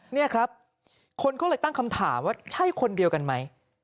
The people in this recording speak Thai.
นี่ครับคนก็เลยตั้งคำถามว่าใช่คนเดียวกันไหม